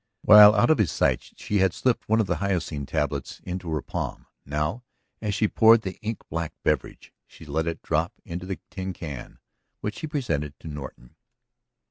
While out of his sight she had slipped one of the hyoscine tablets into her palm; now, as she poured the ink black beverage, she let it drop into the tin can which she presented to Norton.